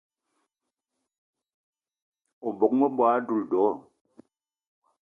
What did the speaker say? O bóng-be m'bogué a doula do?